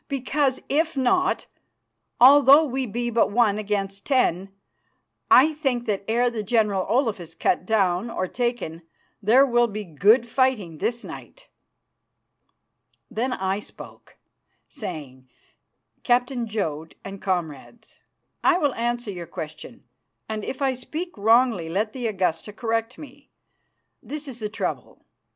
"Because, if not, although we be but one against ten, I think that ere the General Olaf is cut down or taken there will be good fighting this night." Then I spoke, saying, "Captain Jodd, and comrades, I will answer your question, and if I speak wrongly let the Augusta correct me. This is the trouble.